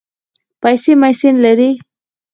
پیسې مېسې لرې.